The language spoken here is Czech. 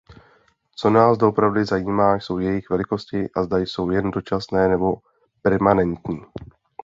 Co nás doopravdy zajímá jsou jejich velikosti a zda jsou jen dočasné nebo permanentní.